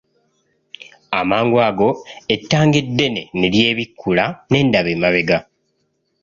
Amangu ago ettanga eddene ne lyebikkula ne ndaba emabega.